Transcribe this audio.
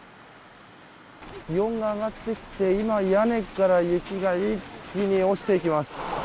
気温が上がってきて今、屋根から雪が一気に落ちていきます。